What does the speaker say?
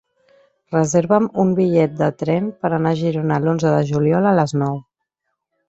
Reserva'm un bitllet de tren per anar a Girona l'onze de juliol a les nou.